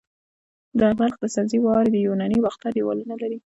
د بلخ د سبزې وار د یوناني باختر دیوالونه لري